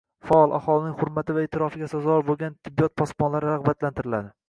Faol, aholining hurmati va eʼtirofiga sazovor boʻlgan “tibbiyot posbonlari” ragʻbatlantiriladi.